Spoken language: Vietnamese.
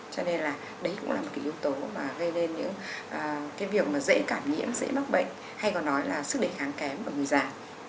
cho nên là đấy cũng là một cái yếu tố mà gây nên những cái việc mà dễ cảm nhiễm dễ mắc bệnh hay còn nói là sức đề kháng kém của người già